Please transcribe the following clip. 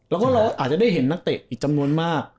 แล้วก็เราอาจจะได้เห็นนักเตะอีกจำนวนมาก